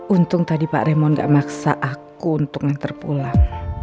untung tadi pak remond gak maksa aku untuk ngantar pulang